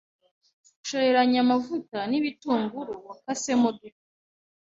Shoreranya amavuta n’ibitunguru wakasemo duto